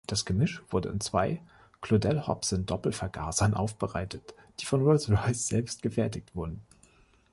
Das Gemisch wurde in zwei Claudel-Hobson-Doppelvergasern aufbereitet, die von Rolls-Royce selbst gefertigt wurden.